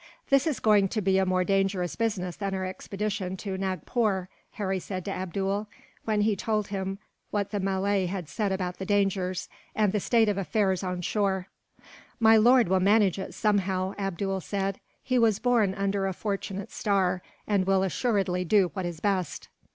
"This is going to be a more dangerous business than our expedition to Nagpore," Harry said to Abdool, when he told him what the Malay had said about the dangers, and the state of affairs on shore. "My lord will manage it, somehow," Abdool said; "he was born under a fortunate star, and will assuredly do what is best."